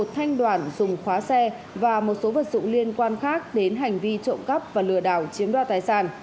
một thanh đoàn dùng khóa xe và một số vật dụng liên quan khác đến hành vi trộm cắp và lừa đảo chiếm đoạt tài sản